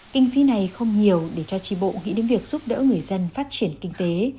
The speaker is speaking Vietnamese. kinh phí này không nhiều để cho tri bộ nghĩ đến việc giúp đỡ người dân phát triển kinh tế